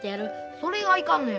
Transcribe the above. それがいかんのや。